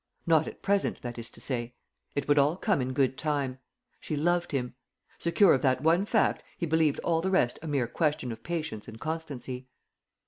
Not at present, that is to say. It would all come in good time. She loved him; secure of that one fact, he believed all the rest a mere question of patience and constancy.